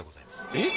えっ！？